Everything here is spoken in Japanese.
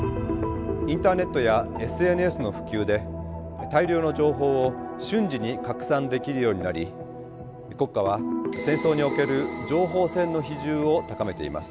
インターネットやＳＮＳの普及で大量の情報を瞬時に拡散できるようになり国家は戦争における情報戦の比重を高めています。